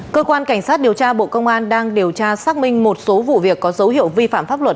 cơ quan cảnh sát điều tra bộ công an đang điều tra xác minh một số vụ việc có dấu hiệu vi phạm pháp luật